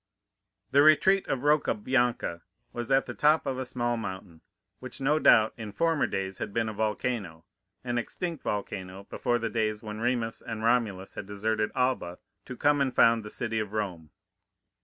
The retreat of Rocca Bianca was at the top of a small mountain, which no doubt in former days had been a volcano—an extinct volcano before the days when Remus and Romulus had deserted Alba to come and found the city of Rome.